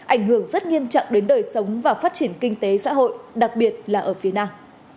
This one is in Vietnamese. ảnh hưởng rất nghiêm trọng đến đời sống và phát triển kinh tế xã hội đặc biệt là ở phía nam